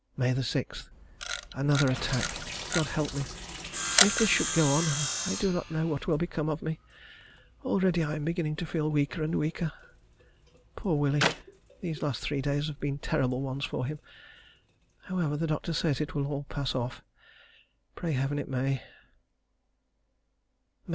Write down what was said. May 6. Another attack. God help me! if this should go on, I do not know what will become of me. Already I am beginning to feel weaker and weaker. Poor Willie! these last three days have been terrible ones for him. However, the doctor says it will all pass off. Pray Heaven it may!